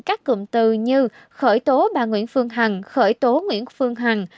các cụm từ như khởi tố bà nguyễn phương hằng khởi tố nguyễn phương hằng